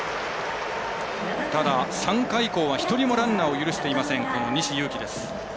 ただ、３回以降は１人もランナーを許していません西勇輝です。